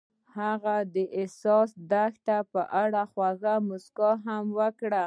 هغې د حساس دښته په اړه خوږه موسکا هم وکړه.